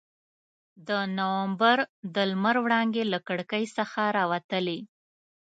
د نومبر د لمر وړانګې له کړکۍ څخه راتلې.